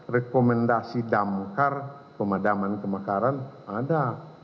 rekomendasi damkar kemadaman kemakaran ada